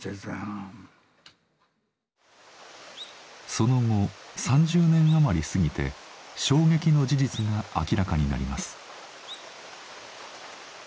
その後３０年余り過ぎて衝撃の事実が明らかになります。